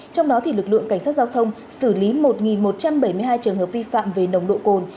trong đó lực lượng cảnh sát giao thông xử lý một một trăm bảy mươi hai trường hợp vi phạm về nồng độ cồn